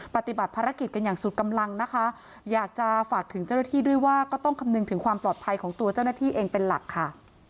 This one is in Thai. ปฏิบัติภารกิจกันอย่างสุดกำลังนะคะอยากจะฝากถึงเจ้าหน้าที่ด้วยว่าก็ต้องคำนึงถึงความปลอดภัยของตัวเจ้าหน้าที่เองเป็นหลักค่ะ